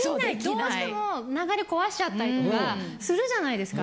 どうしても流れ壊しちゃったりとかするじゃないですか。